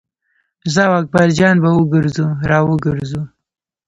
زه او اکبر جان به وګرځو را وګرځو.